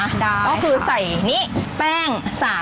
ค่อยอย่ารุนแรง